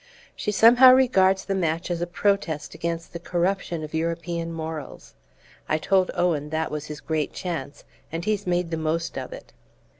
She somehow regards the match as a protest against the corruption of European morals. I told Owen that was his great chance, and he's made the most of it."